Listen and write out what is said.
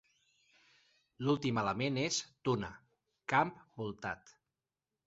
L'últim element és "tuna" "camp voltat".